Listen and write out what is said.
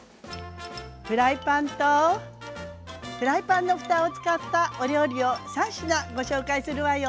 フライパンとフライパンのふたを使ったお料理を３品ご紹介するわよ。